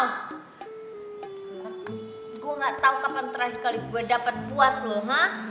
kok gue nggak tau kapan terakhir kali gue dapet buas lo hah